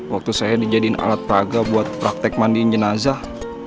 waktu saya dijadiin alat praga buat praktek mandiin jenazah